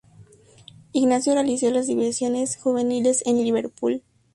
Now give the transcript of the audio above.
Ignacio realizó las divisiones juveniles en Liverpool.